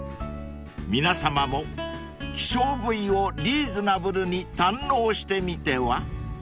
［皆さまも希少部位をリーズナブルに堪能してみては？］